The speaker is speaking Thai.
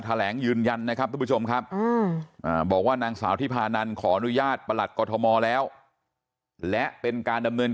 แถลงยืนยันนะครับทุกผู้ชมครับบอกว่านางสาวที่พานันขออนุญาตประหลัดกรทมแล้วและเป็นการดำเนิน